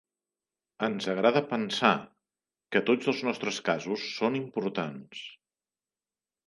Ens agrada pensar que tots els nostres casos són importants.